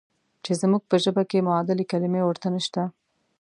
چې زموږ په ژبه کې معادلې کلمې ورته نشته.